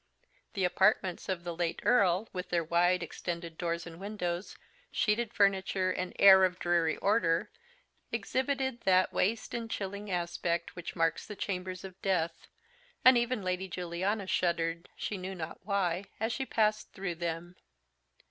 The apartments of the late Earl, with their wide extended doors and windows, sheeted furniture, and air of dreary order, exhibited that waste and chilling aspect which marks the chambers of death; and even Lady Juliana shuddered, she knew not why, as she passed through them.